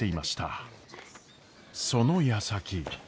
そのやさき。